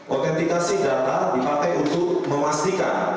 autentikasi data dipakai untuk memastikan